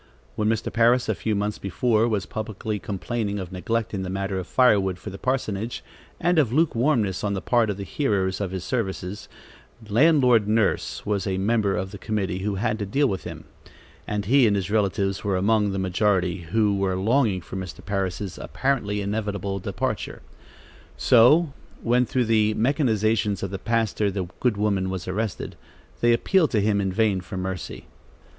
When Mr. Parris, a few months before, was publicly complaining of neglect in the matter of firewood for the parsonage, and of lukewarmness on the part of the hearers of his services, "Landlord Nurse" was a member of the committee who had to deal with him, and he and his relatives were among the majority, who were longing for Mr. Parris' apparently inevitable departure. So when, through the machinations of the pastor, the good woman was arrested, they appealed to him in vain for mercy.